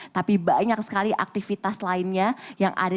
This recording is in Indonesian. tapi banyak sekali aktivitas lainnya yang ada di alobank